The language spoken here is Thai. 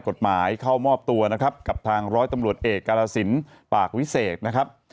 เข้ามอบตัวนะครับกับทางร้อยตำรวจเอกกาลสินปากวิเศษนะครับ